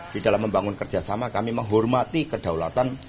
di dalam membangun kerjasama kami menghormati kedaulatan